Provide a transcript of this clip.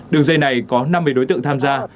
đường dây này có năm mươi đối tượng tham gia